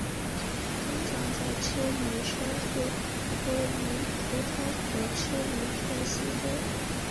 通常在吃鱼生会喝鱼头汤和吃鱼片稀粥。